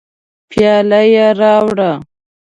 پیاله یې راوړه.